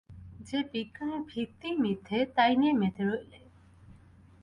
যে বিজ্ঞানের ভিত্তিই মিথ্যে তাই নিয়ে মেতে রইলে।